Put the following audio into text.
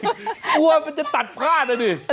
กลัวมันจะตัดพลาดนะดิ